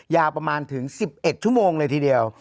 ยาวประมาณถึง๑๑ชั่วโมงเลยทีเดียว